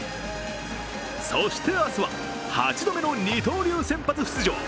そして明日は８度目の二刀流先発出場。